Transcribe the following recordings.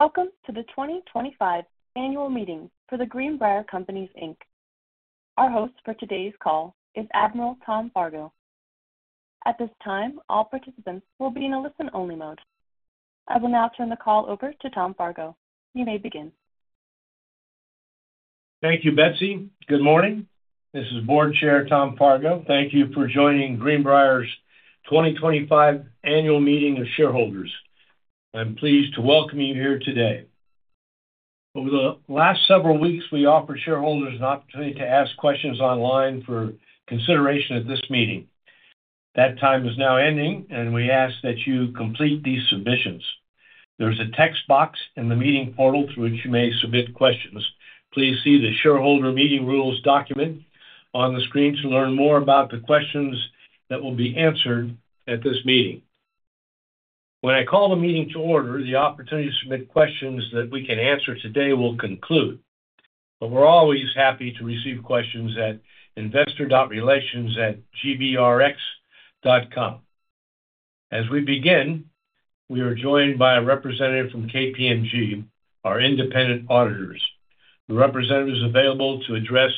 Welcome to the 2025 Annual Meeting for The Greenbrier Companies, Inc. Our host for today's call is Admiral Tom Fargo. At this time, all participants will be in a listen-only mode. I will now turn the call over to Tom Fargo. You may begin. Thank you, Betsy. Good morning. This is Board Chair Tom Fargo. Thank you for joining Greenbrier's 2025 Annual Meeting of Shareholders. I'm pleased to welcome you here today. Over the last several weeks, we offered shareholders an opportunity to ask questions online for consideration at this meeting. That time is now ending, and we ask that you complete these submissions. There is a text box in the meeting portal through which you may submit questions. Please see the Shareholder Meeting Rules document on the screen to learn more about the questions that will be answered at this meeting. When I call the meeting to order, the opportunity to submit questions that we can answer today will conclude. But we're always happy to receive questions at investor.relations@gbrx.com. As we begin, we are joined by a representative from KPMG, our independent auditors. The representative is available to address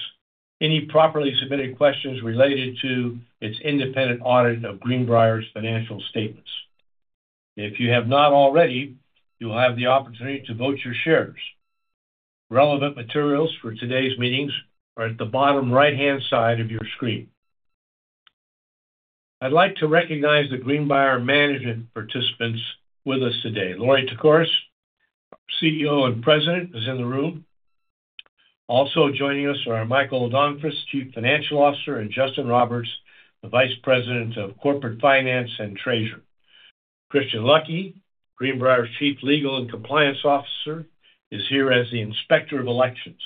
any properly submitted questions related to its independent audit of Greenbrier's financial statements. If you have not already, you will have the opportunity to vote your shares. Relevant materials for today's meetings are at the bottom right-hand side of your screen. I'd like to recognize the Greenbrier management participants with us today. Lorie Tekorius, CEO and President, is in the room. Also joining us are Michael Donfris, Chief Financial Officer, and Justin Roberts, the Vice President of Corporate Finance and Treasurer. Christian Luckey, Greenbrier's Chief Legal and Compliance Officer, is here as the Inspector of Elections.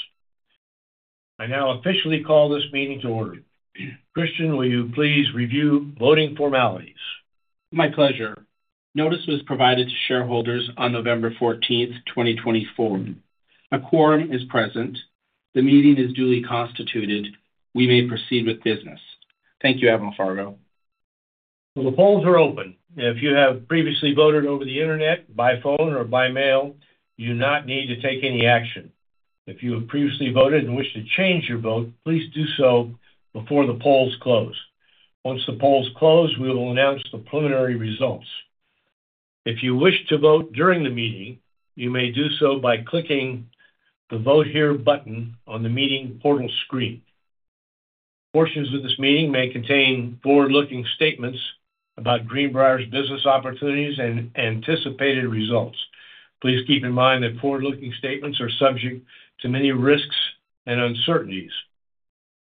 I now officially call this meeting to order. Christian, will you please review voting formalities? My pleasure. Notice was provided to shareholders on November 14, 2024. A quorum is present. The meeting is duly constituted. We may proceed with business. Thank you, Admiral Fargo. So the polls are open. If you have previously voted over the internet, by phone, or by mail, you do not need to take any action. If you have previously voted and wish to change your vote, please do so before the polls close. Once the polls close, we will announce the preliminary results. If you wish to vote during the meeting, you may do so by clicking the "Vote Here" button on the meeting portal screen. Portions of this meeting may contain forward-looking statements about Greenbrier's business opportunities and anticipated results. Please keep in mind that forward-looking statements are subject to many risks and uncertainties.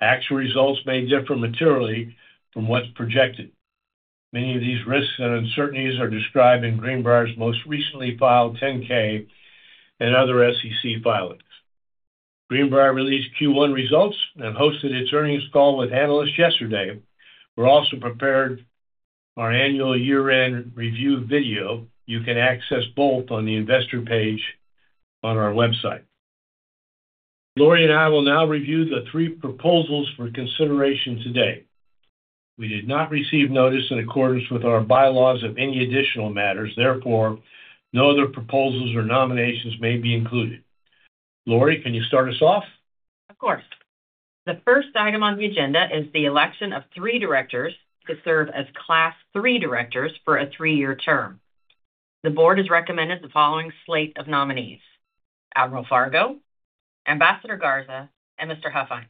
Actual results may differ materially from what's projected. Many of these risks and uncertainties are described in Greenbrier's most recently filed 10-K and other SEC filings. Greenbrier released Q1 results and hosted its earnings call with analysts yesterday. We also prepared our annual year-end review video. You can access both on the investor page on our website. Lorie and I will now review the three proposals for consideration today. We did not receive notice in accordance with our bylaws of any additional matters. Therefore, no other proposals or nominations may be included. Lorie, can you start us off? Of course. The first item on the agenda is the election of three directors to serve as Class III Directors for a three-year term. The board has recommended the following slate of nominees: Admiral Fargo, Ambassador Garza, and Mr. Huffines.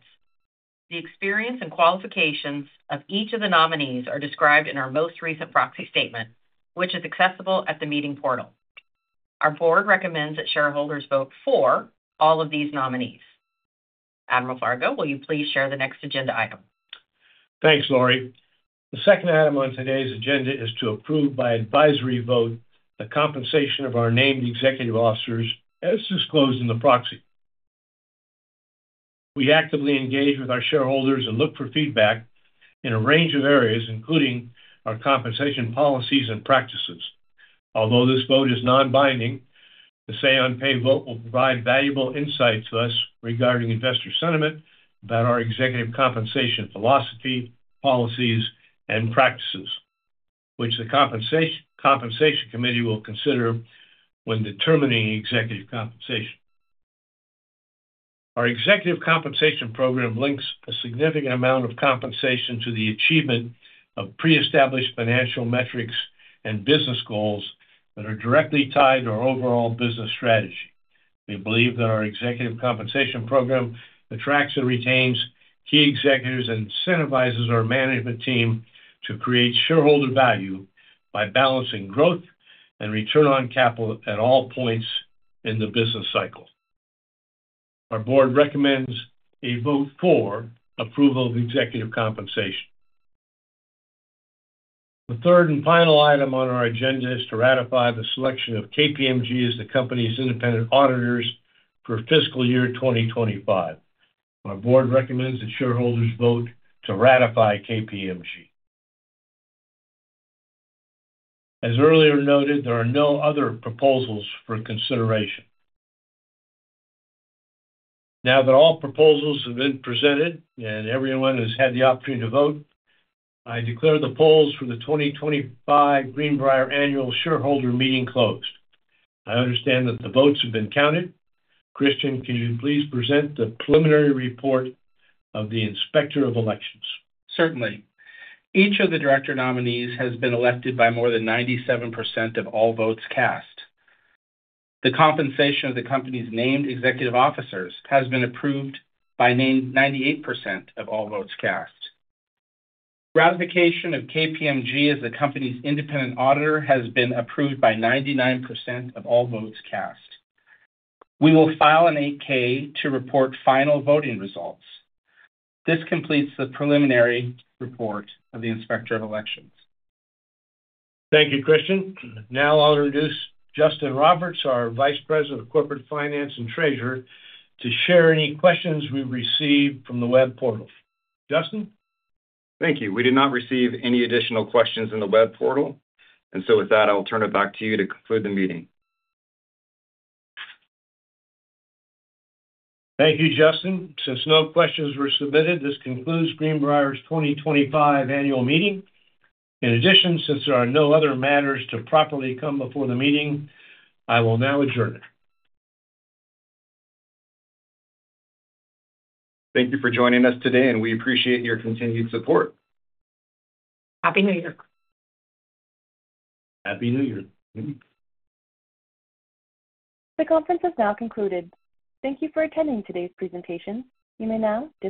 The experience and qualifications of each of the nominees are described in our most recent Proxy Statement, which is accessible at the meeting portal. Our board recommends that shareholders vote for all of these nominees. Admiral Fargo, will you please share the next agenda item? Thanks, Lorie. The second item on today's agenda is to approve by advisory vote the compensation of our named executive officers, as disclosed in the proxy. We actively engage with our shareholders and look for feedback in a range of areas, including our compensation policies and practices. Although this vote is non-binding, the say-on-pay vote will provide valuable insights to us regarding investor sentiment about our executive compensation philosophy, policies, and practices, which the Compensation Committee will consider when determining executive compensation. Our executive compensation program links a significant amount of compensation to the achievement of pre-established financial metrics and business goals that are directly tied to our overall business strategy. We believe that our executive compensation program attracts and retains key executives and incentivizes our management team to create shareholder value by balancing growth and return on capital at all points in the business cycle. Our Board recommends a vote for approval of executive compensation. The third and final item on our agenda is to ratify the selection of KPMG as the company's independent auditors for fiscal year 2025. Our Board recommends that shareholders vote to ratify KPMG. As earlier noted, there are no other proposals for consideration. Now that all proposals have been presented and everyone has had the opportunity to vote, I declare the polls for the 2025 Greenbrier Annual Shareholder Meeting closed. I understand that the votes have been counted. Christian, can you please present the preliminary report of the Inspector of Elections? Certainly. Each of the director nominees has been elected by more than 97% of all votes cast. The compensation of the company's named executive officers has been approved by 98% of all votes cast. Ratification of KPMG as the company's independent auditor has been approved by 99% of all votes cast. We will file an 8-K to report final voting results. This completes the preliminary report of the Inspector of Elections. Thank you, Christian. Now I'll introduce Justin Roberts, our Vice President of Corporate Finance and Treasurer, to share any questions we've received from the web portal. Justin? Thank you. We did not receive any additional questions in the web portal. And so with that, I'll turn it back to you to conclude the meeting. Thank you, Justin. Since no questions were submitted, this concludes Greenbrier's 2025 Annual Meeting. In addition, since there are no other matters to properly come before the meeting, I will now adjourn. Thank you for joining us today, and we appreciate your continued support. Happy New Year. Happy New Year. The conference has now concluded. Thank you for attending today's presentation. You may now disconnect.